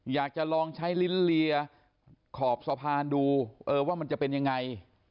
อยากจะลองใช้ลิ้นเลียขอบสะพานดูเออว่ามันจะเป็นยังไง